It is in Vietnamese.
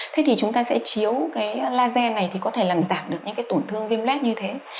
thế thì chúng ta sẽ chiếu laser này thì có thể làm giảm được những tổn thương viêm lết như thế